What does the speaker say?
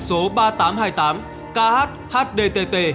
số ba nghìn tám trăm hai mươi tám kh hdtt